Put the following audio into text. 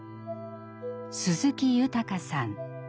鈴木豊さん。